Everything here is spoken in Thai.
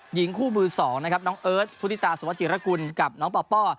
หญิงคู่มือสองนะครับน้องเอิร์ทพุทธิตาสุวจิรกุลกับน้องปป้อ